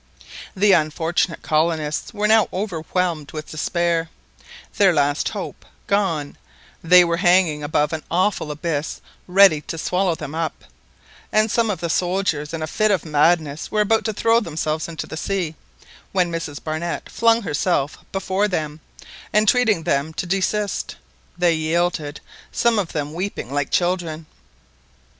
The unfortunate colonists were now overwhelmed with despair; their last hope gone, they were hanging above an awful abyss ready to swallow them up; and some of the soldiers in a fit of madness were about to throw themselves into the sea, when Mrs Barnett flung herself before them, entreating them to desist. They yielded, some of them weeping like children.